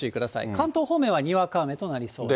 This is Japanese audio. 関東方面はにわか雨となりそうです。